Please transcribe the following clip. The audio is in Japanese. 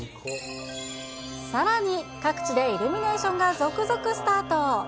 さらに、各地でイルミネーションが続々スタート。